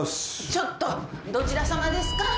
ちょっとどちらさまですか？